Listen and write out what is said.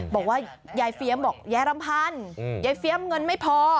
บอกว่ายายเฟียมบอกยายรำพันยายเฟียมเงินไม่พอ